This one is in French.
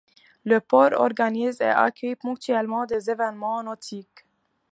Le port organise et accueille ponctuellement des événements nautiques.